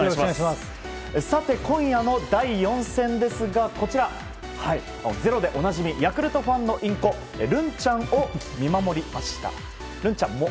さて、今夜の第４戦ですが「ｚｅｒｏ」でおなじみヤクルトファンのインコるんちゃんも見守りました。